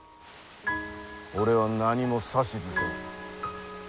俺は何も指図せん。